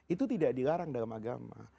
itu tidak dilarang dalam agama